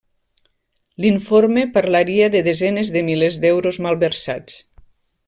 L'informe parlaria de desenes de milers d'euros malversats.